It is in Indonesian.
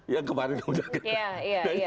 yang kemarin sudah kena